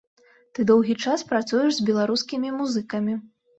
Ты доўгі час працуеш с беларускімі музыкамі.